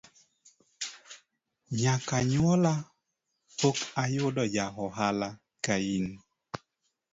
Nyaka nyuola pok ayudo ja ohala kain